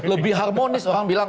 lebih harmonis orang orang